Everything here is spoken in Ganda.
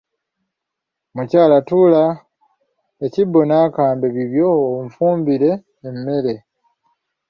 Mukyala tuula ekibbo n’akambe biibyo onfumbire emmere.